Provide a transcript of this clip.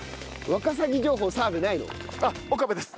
あっ岡部です。